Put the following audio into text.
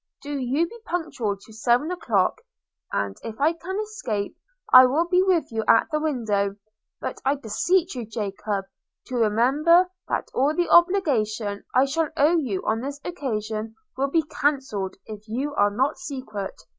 Do you be punctual to seven o'clock; and, if I can escape, I will be with you at the window. But I beseech you, Jacob, to remember, that all the obligation I shall owe you on this occasion will be cancelled, if you are not secret.